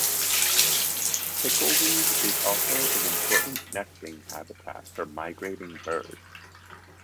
Pickleweed is also an important nesting habitat for migrating birds.